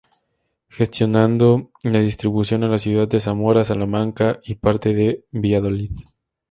Gestionando la distribución a la ciudad de Zamora, Salamanca y parte de Valladolid.